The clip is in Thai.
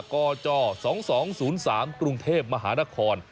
กจ๒๒๐๓กรุงเทพมหานคร